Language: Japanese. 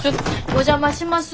お邪魔します。